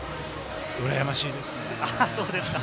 うらやましいですね。